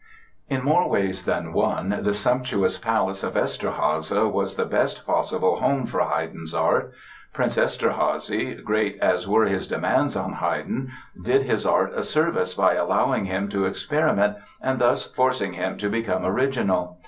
In more ways than one the sumptuous palace of Eszterháza was the best possible home for Haydn's art. Prince Eszterházy, great as were his demands on Haydn, did his art a service by allowing him to experiment and thus "forcing him to become original".